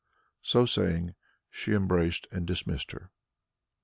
So saying, she embraced and dismissed her.